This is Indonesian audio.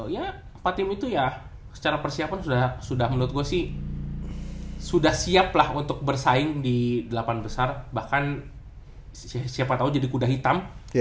ya empat tim itu ya secara persiapan sudah menurut gue sih sudah siap lah untuk bersaing di delapan besar bahkan siapa tahu jadi kuda hitam